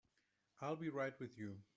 I'll be right with you.